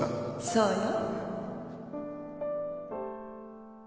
そうよ